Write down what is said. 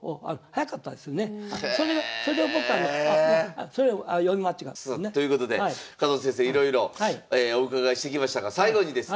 それを僕はねそれを読み間違えた。ということで加藤先生いろいろお伺いしてきましたが最後にですね